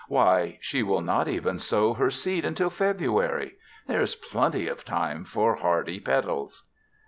Why, she will not even sow her seed until February! There is plenty of time for hardy petals.